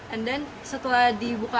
and then setelah dibuka